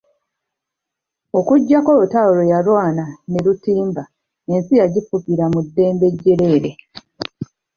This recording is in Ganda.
Okuggyako olutalo lwe yalwana ne Lutimba, ensi yagifugira mu ddembe jjereere.